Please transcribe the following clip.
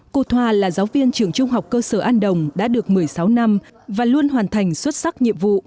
cô thoa là giáo viên trường trung học cơ sở an đồng đã được một mươi sáu năm và luôn hoàn thành xuất sắc nhiệm vụ